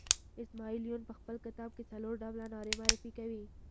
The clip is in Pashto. اسماعیل یون په خپل کتاب کې څلور ډوله نارې معرفي کوي.